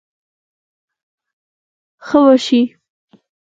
ښه به شې.